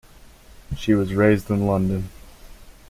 She was raised in London.